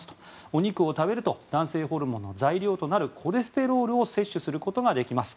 お肉を食べると男性ホルモンの材料となるコレステロールを摂取することができます。